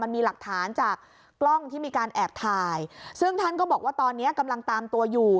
มีหลักฐานจากกล้องที่มีการแอบถ่ายซึ่งท่านก็บอกว่าตอนนี้กำลังตามตัวอยู่